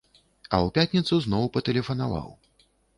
А ў пятніцу зноў патэлефанаваў.